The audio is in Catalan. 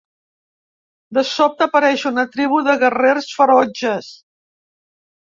De sobte, apareix una tribu de guerrers ferotges.